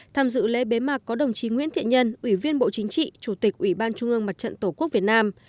tham dự lễ bế mạc có đồng chí nguyễn thiện nhân ủy viên bộ chính trị chủ tịch ủy ban trung ương mặt trận tổ quốc việt nam